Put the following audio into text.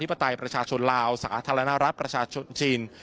ประชาธิปไตยประชาชนลาวสถานะรับประชาชนชิน